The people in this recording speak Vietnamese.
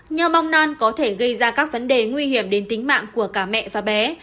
nho mong non có thể gây ra các vấn đề nguy hiểm đến tính mạng của cả mẹ và bé